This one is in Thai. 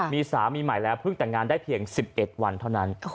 มีสามีใหม่แล้วเพิ่งแต่งงานได้เพียง๑๑วันเท่านั้น